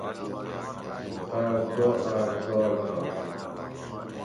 آۤک گو آۤک گاۓ ڄھار ہِت